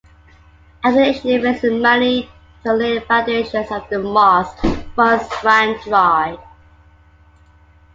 After initially raising money to lay the foundations of the mosque, funds ran dry.